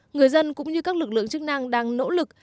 người dân cũng như các lực lượng chức năng đang nỗ lực